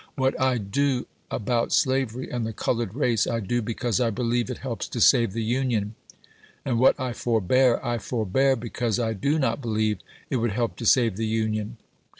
What I do about slavery and the colored race, I do because I believe it helps to save the Union ; and what I forbear, I forbear because I do not believe it would help to save the Union.